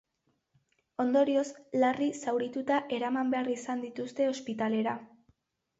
Ondorioz, larri zaurituta eraman behar izan dituzte ospitalera.